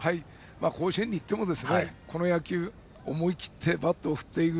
甲子園に行ってもこの野球、思い切ってバットを振っていく。